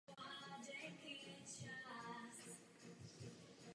Young později napsal další knihu nazvanou "Special Deluxe".